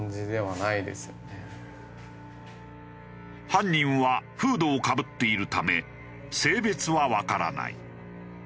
犯人はフードをかぶっているため性別はわからない。